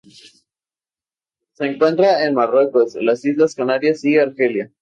Se encuentra en Marruecos, las Islas Canarias y Argelia.